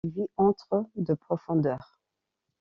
Il vit entre de profondeur.